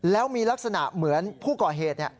แล้วมีลักษณะเหมือนผู้ก่อเหตุ